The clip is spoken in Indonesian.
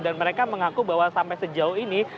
dan mereka mengaku bahwa sampai sejauh ini